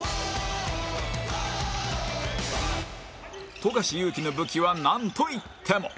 富樫勇樹の武器はなんといっても